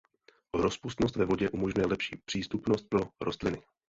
Rozpustnost ve vodě umožňuje lepší přístupnost pro rostliny.